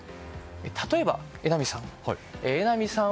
例えば、榎並さん。